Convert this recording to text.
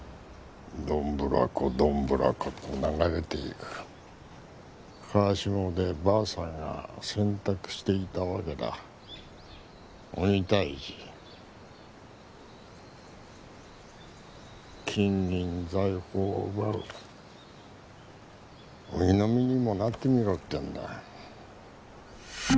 どんぶらこどんぶらこと流れていく川下でばあさんが洗濯していたわけだ鬼退治金銀財宝を奪う鬼の身にもなってみろってんだ